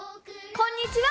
こんにちは！